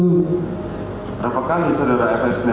berapa kali saudara fs